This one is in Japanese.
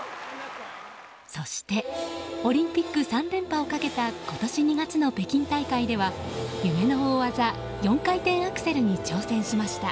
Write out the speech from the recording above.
そしてオリンピック３連覇をかけた今年２月の北京大会では夢の大技４回転アクセルに挑戦しました。